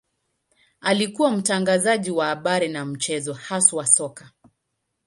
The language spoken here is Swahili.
Alikuwa mtangazaji wa habari na michezo, haswa soka.